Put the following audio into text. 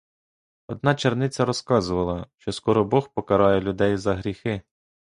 Одна черниця розказувала, що скоро бог покарає людей за гріхи.